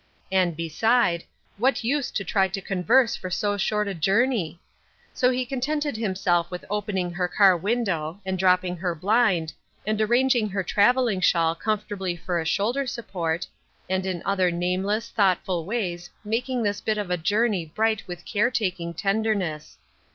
And, beside, what use to try tc converse for so short a journey ? So he con tented himself with opening her car window, and dropping her blind, and arranging her trav elling shawl comfortably for a shoulder support, and in other nameless, thoughtful ways making this bit of a journey bright with care taking tenderness.